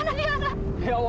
gak ada gimana